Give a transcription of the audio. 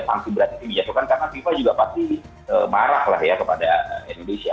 sanksi berat itu di jatuhkan karena viva juga pasti marah lah ya kepada indonesia